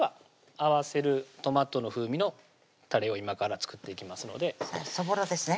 合わせるトマトの風味のたれを今から作っていきますのでそぼろですね